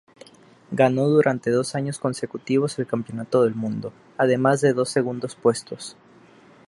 Ganó durante dos años consecutivos el Campeonato del Mundo, además de dos segundos puestos.